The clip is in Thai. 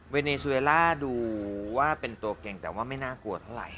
เนซูเอล่าดูว่าเป็นตัวเก่งแต่ว่าไม่น่ากลัวเท่าไหร่